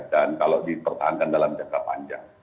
dan kalau dipertahankan dalam jangka panjang